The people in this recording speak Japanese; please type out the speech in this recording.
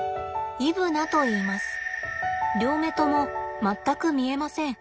両目とも全く見えません。